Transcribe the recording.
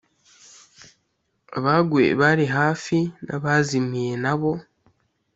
abaguye bari hafi, n’abazimiye na bo.